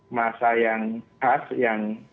masa yang khas yang